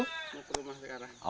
mau ke rumah sekarang